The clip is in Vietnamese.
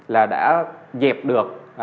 là đã dẹp được